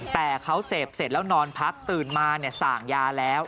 แต่เขาเสพเสร็จแล้วนอนพักตื่นมาสั่งยาแล้ว